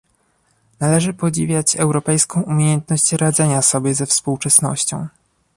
Należy podziwiać europejską umiejętność radzenia sobie ze współczesnością